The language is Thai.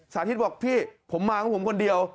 สาธิตบอกพี่ผมมาของผมคนเดียว